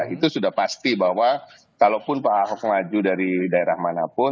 itu sudah pasti bahwa kalaupun pak ahok maju dari daerah manapun